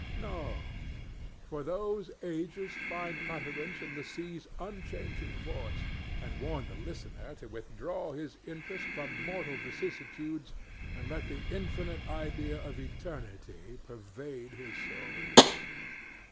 No; for those ages find utterance in the sea's unchanging voice, and warn the listener to withdraw his interest from mortal vicissitudes and let the infinite idea of eternity pervade his soul.